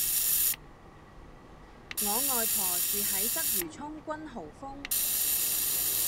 我外婆住喺鰂魚涌君豪峰